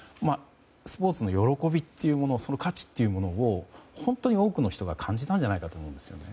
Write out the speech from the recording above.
スポーツの喜び価値というものを本当に多くの人が感じたんじゃないかと思うんですよね。